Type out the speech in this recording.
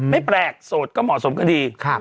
ไม่แปลกโสดก็เหมาะสมก็ดี